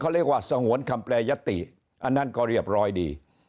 เรียกว่าสงวนคำแปรยติอันนั้นก็เรียบร้อยดี